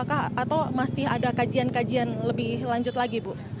atau masih ada kajian kajian lebih lanjut lagi bu